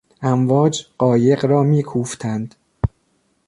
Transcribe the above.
امواج قایق را میکوفتند.